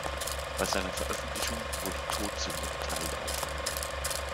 Bei seiner Veröffentlichung wurde "Todsünde" geteilt aufgenommen.